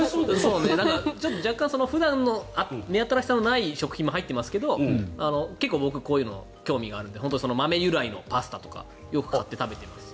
普段の目新しさのない食材もありますが結構、僕はこういうの興味があるので豆由来のパスタとかよく買って食べています。